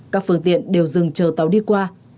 các phương tiện đều dừng chờ tàu đi qua